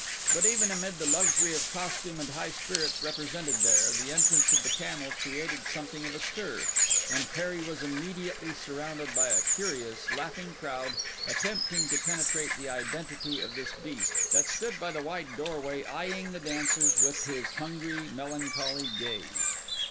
But even amid the luxury of costume and high spirits represented, there, the entrance of the camel created something of a stir, and Perry was immediately surrounded by a curious, laughing crowd attempting to penetrate the identity of this beast that stood by the wide doorway eying the dancers with his hungry, melancholy gaze.